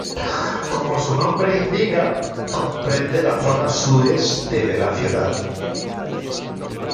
Como su nombre indica, comprende la zona sureste de la ciudad.